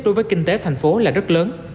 đối với kinh tế thành phố là rất lớn